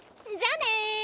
じゃあね！